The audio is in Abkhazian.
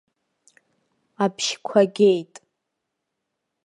Абжьқәа геит.